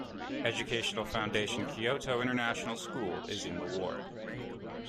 Educational Foundation Kyoto International School is in the ward.